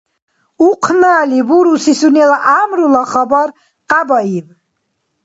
Ухънали буруси сунела гӀямрула хабар къябаиб.